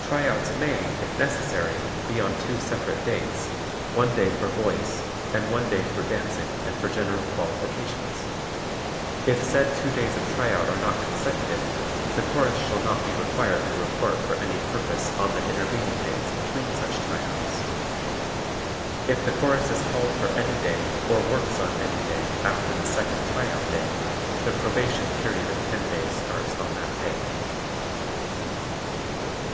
Tryouts may, if necessary, be on two separate days, one day for voice, and one day for dancing and for general qualifications. If said two days of tryout are not consecutive, the Chorus shall not be required to report for any purpose on the intervening days between such tryouts. If the Chorus is called for any day, or works on any day, after the second tryout day, the probation period of ten days starts on that day.